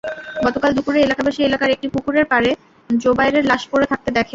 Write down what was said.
গতকাল দুপুরে এলাকাবাসী এলাকার একটি পুকুরের পাড়ে জোবায়েরের লাশ পড়ে থাকতে দেখেন।